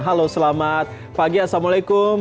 halo selamat pagi assalamualaikum